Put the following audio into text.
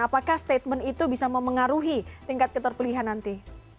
apakah statement itu bisa memengaruhi tingkat keterpilihan nanti